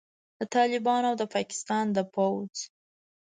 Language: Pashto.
د طالبانو او د پاکستان د پوځ